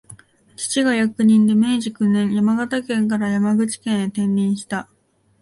父が役人で、明治九年、山形県から山口県へ転任した